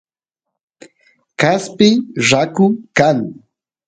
kaspi raku kan